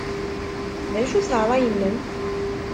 D acu-t ṛṛay-nnem?